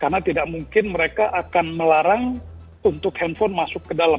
karena tidak mungkin mereka akan melarang untuk handphone masuk ke dalam